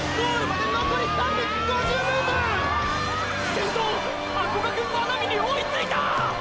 先頭ハコガク真波に追いついた！！